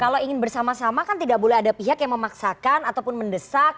kalau ingin bersama sama kan tidak boleh ada pihak yang memaksakan ataupun mendesak